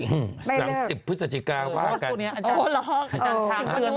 หลัง๑๐พฤศจิกากวะก่อน